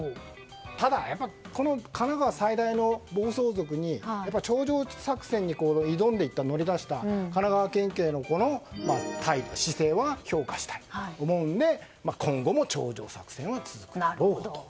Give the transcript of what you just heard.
ただ、神奈川最大の暴走族に頂上作戦に挑んでいった乗り出した神奈川県警の姿勢は評価したいと思うので今後も頂上作戦は続くだろうと。